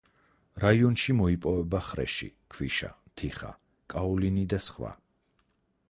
რაიონში მოიპოვება ხრეში, ქვიშა, თიხა, კაოლინი და სხვა.